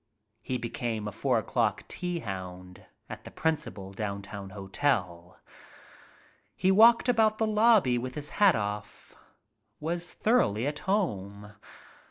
He became a four o'clock tea hound at the principal downtown hotel. He walked about the lobby with his hat off. Was thoroughly at home.